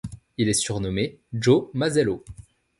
Il est surnommé Joe Mazzello.